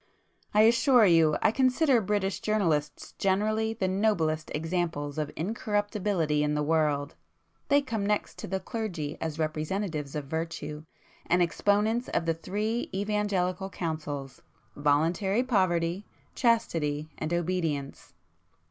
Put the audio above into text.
I assure you I consider British journalists generally the noblest examples of incorruptibility in the world—they come next to the clergy as representatives of virtue, and exponents of the three evangelical counsels,—voluntary poverty, chastity, and obedience!"